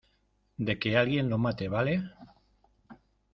de que alguien lo mate. vale .